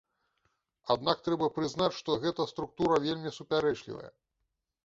Аднак трэба прызнаць, што гэта структура вельмі супярэчлівая.